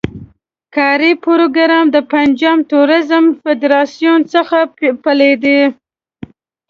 کاري پروګرام د پنجاب توریزم فدراسیون څخه پیلېده.